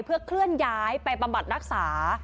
เพื่อเคลื่อนย้ายไปบำบัดรักษา